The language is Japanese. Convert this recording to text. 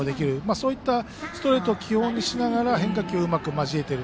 そういったストレートを基本にしながら変化球をうまく交えている。